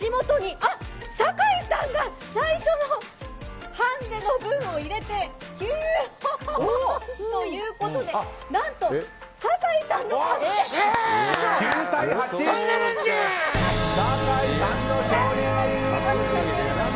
酒井さんが最初のハンデの分を入れて９本。ということで何と酒井さんの勝ちです！